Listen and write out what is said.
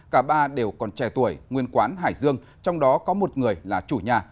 cả ba đều còn trẻ tuổi nguyên quán hải dương trong đó có một người là chủ nhà